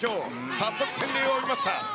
早速、洗礼を浴びました。